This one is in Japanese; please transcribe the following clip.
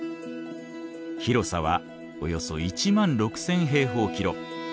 広さはおよそ１万６，０００平方キロ